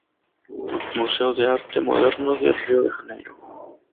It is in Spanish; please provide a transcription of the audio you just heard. Museo de Arte Moderno de Río de Janeiro.